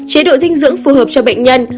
chế độ dinh dưỡng phù hợp cho bệnh nhân